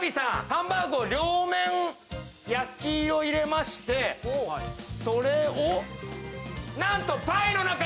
ハンバーグを両面焼きを入れましてそれをなんと。